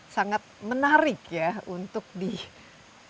sangat menarik ya untuk di